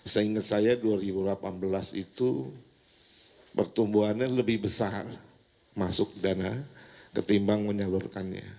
seingat saya dua ribu delapan belas itu pertumbuhannya lebih besar masuk dana ketimbang menyalurkannya